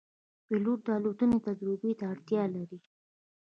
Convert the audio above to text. پیلوټ د الوتنې تجربې ته اړتیا لري.